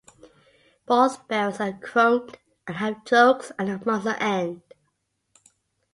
Both barrels are chromed and have chokes at the muzzle end.